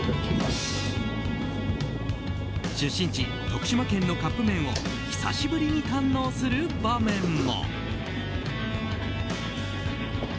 出身地・徳島県のカップ麺を久しぶりに堪能する場面も。